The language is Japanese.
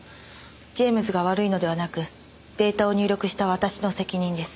ジェームズが悪いのではなくデータを入力した私の責任です。